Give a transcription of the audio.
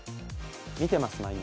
見てます、毎日。